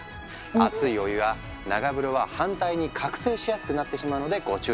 熱いお湯や長風呂は反対に覚醒しやすくなってしまうのでご注意を。